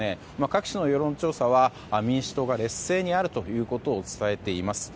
各地の世論調査は民主党が劣勢にあると伝えています。